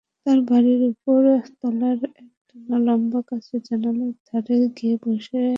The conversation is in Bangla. তাঁর বাড়ির ওপর তলার একটানা লম্বা কাচের জানালার ধারে গিয়ে বসেন আবু।